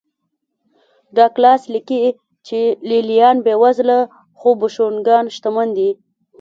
ډاګلاس لیکي چې لې لیان بېوزله خو بوشونګان شتمن دي